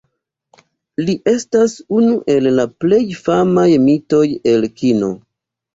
Li estas unu el la plej famaj mitoj el kino.